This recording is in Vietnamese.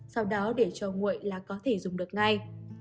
sau đó để cho nguội là có thể dùng được ngay